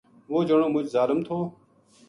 وہ جنو مچ ظالم تھو